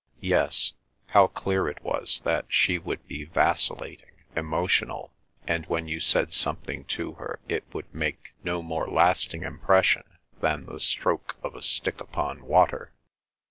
Yes! how clear it was that she would be vacillating, emotional, and when you said something to her it would make no more lasting impression than the stroke of a stick upon water.